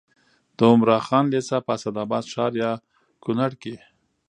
د عمراخان لېسه په اسداباد ښار یا کونړ کې